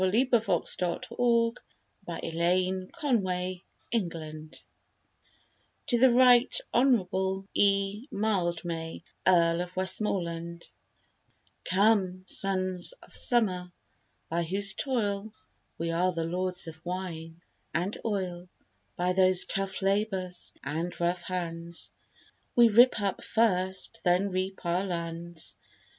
28. THE HOCK CART, OR HARVEST HOME: TO THE RIGHT HONOURABLE MILDMAY, EARL OF WESTMORLAND Come, Sons of Summer, by whose toil We are the lords of wine and oil: By whose tough labours, and rough hands, We rip up first, then reap our lands.